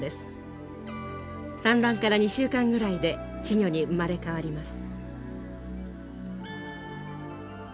産卵から２週間ぐらいで稚魚に生まれ変わります。